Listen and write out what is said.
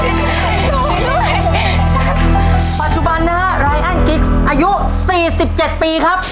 ปัจจุบันนะฮะรายอันกิ๊กซ์อายุ๔๗ปีครับ